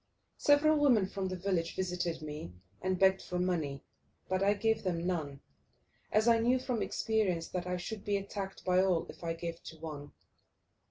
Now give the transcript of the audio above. Several women from the village visited me and begged for money, but I gave them none, as I knew from experience that I should be attacked by all if I gave to one.